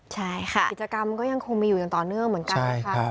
ใช่ค่ะกิจกรรมก็ยังคงมีอยู่อย่างต่อเนื่องเหมือนกันนะคะ